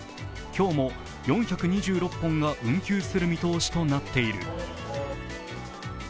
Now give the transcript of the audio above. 今日も４２６本が運休する見通しとなっている。